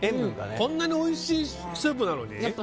こんなにおいしいスープなのに？